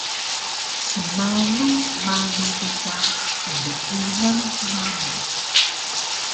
Smulu malu bi ka kndkilan namu